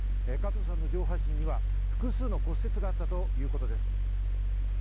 加藤さんの上半身には複数の骨折があったということです。